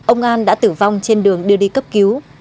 ông an đã tử vong trên đường đưa đi cấp cứu